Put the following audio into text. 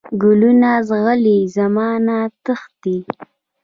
کلونه زغلي، زمانه تښتي